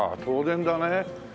当然だね。